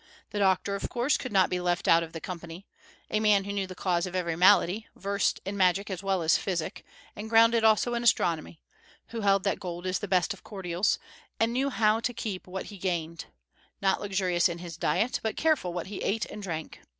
The doctor, of course, could not be left out of the company, a man who knew the cause of every malady, versed in magic as well as physic, and grounded also in astronomy; who held that gold is the best of cordials, and knew how to keep what he gained; not luxurious in his diet, but careful what he ate and drank.